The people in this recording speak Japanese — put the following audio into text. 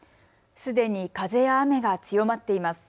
すでに風や雨が強まっています。